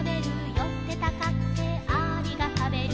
「寄ってたかってアリが食べる」